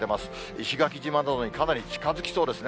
石垣島などにかなり近づきそうですね。